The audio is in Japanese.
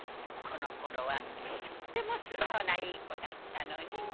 この頃はとっても素直ないい子だったのに。